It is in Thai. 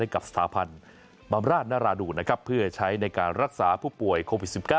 กับสถาบันบำราชนราดูนเพื่อใช้ในการรักษาผู้ป่วยโควิด๑๙